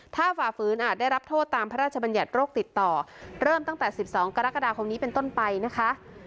ถ้าฝ่าฝืนอาจได้รับโทษตามพระราชบัญญัติโรคติดต่อเริ่มตั้งแต่๑๒กรกฎาคมนี้เป็นต้นไปนะคะ